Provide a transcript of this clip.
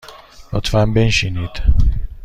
لطفاً بنشینید.